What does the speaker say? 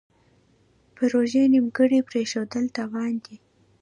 پروژې نیمګړې پریښودل تاوان دی.